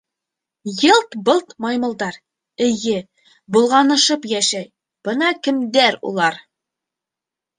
— Йылт-былт маймылдар, эйе, болғанышып йәшәй — бына кемдәр улар!